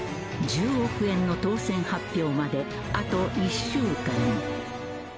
［１０億円の当せん発表まであと１週間］